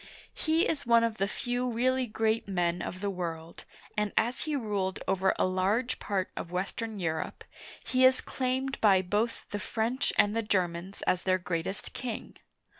He is one of the few really great men of the world, and as he ruled over a large part of western Europe, he is claimed by both the French and the Germans as their greatest king.